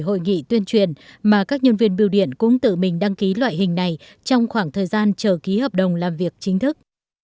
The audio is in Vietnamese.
trong hội nghị tuyên truyền mà các nhân viên biêu điện cũng tự mình đăng ký loại hình này trong khoảng thời gian chờ ký hợp đồng làm việc chính thức